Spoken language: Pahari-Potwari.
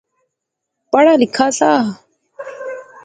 پڑھا لیخا سا